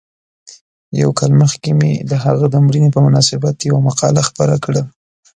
یو کال مخکې مې د هغه د مړینې په مناسبت یوه مقاله خپره کړه.